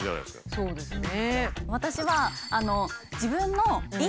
そうですね。